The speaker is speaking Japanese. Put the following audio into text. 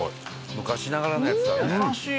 昔ながらのやつだね。